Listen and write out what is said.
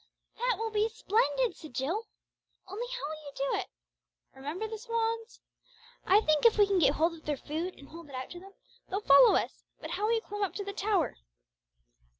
"That will be splendid," said Jill; "only how will you do it? Remember the swans! I think if we can get hold of their food, and hold it out to them, they'll follow us, but how will you climb up to the tower?"